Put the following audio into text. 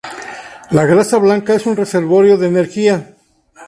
La grasa blanca es un reservorio de energía.